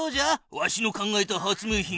わしの考えた発明品は。